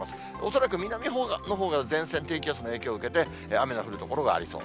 恐らく南のほうが前線、低気圧の影響を受けて、雨の降る所がありそう。